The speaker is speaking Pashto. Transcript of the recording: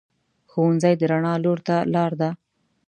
ښوونځی د رڼا لور ته لار ده